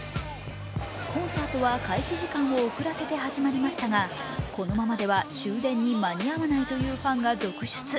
コンサートは開始時間を遅らせて始まりましたが、このままでは終電に間に合わないというファンが続出。